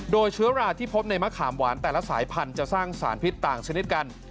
โดยเชื้อราที่พบในมะขามหวานแต่ละสายพันธุ์จะสร้างสารพิษต่างชนิดกัน